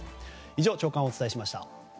以上、朝刊をお伝えしました。